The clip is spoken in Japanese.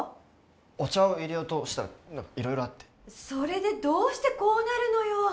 お茶をいれようとしたら何か色々あってそれでどうしてこうなるのよ